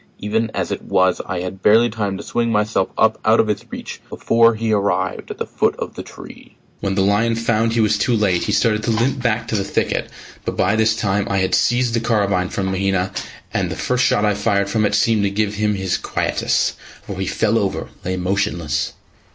Even as it was, I had barely time to swing myself up out of his reach before he arrived at the foot of the tree. When the lion found he was too late, he started to limp back to the thicket; but by this time I had seized the carbine from Mahina, and the first shot I fired from it seemed to give him his quietus, for he fell over and lay motionless.